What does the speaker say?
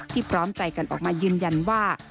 พร้อมใจกันออกมายืนยันว่า